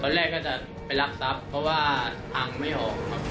แรกก็จะไปรับทรัพย์เพราะว่าอังไม่ออกครับ